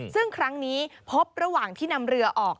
ซึ่งครั้งนี้พบระหว่างที่นำเรือออก